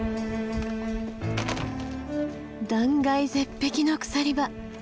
断崖絶壁の鎖場。